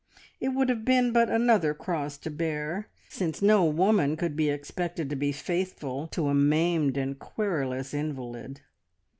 It would have been but another cross to bear, since no woman could be expected to be faithful to a maimed and querulous invalid.